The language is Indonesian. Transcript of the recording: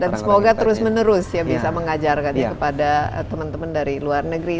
dan semoga terus menerus ya bisa mengajarkannya kepada teman teman dari luar negeri